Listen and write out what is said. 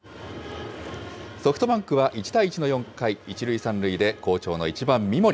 ソフトバンクは１対１の４回、１塁３塁で好調の１番三森。